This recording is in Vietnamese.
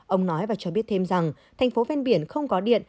ông nói và cho biết thêm rằng thành phố ven biển không có điện